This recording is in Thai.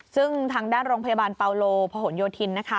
ซึ่งทางด้านโรงพยาบาลเปาโลพหนโยธินนะคะ